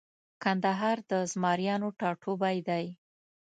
کندهار د زمریانو ټاټوبۍ دی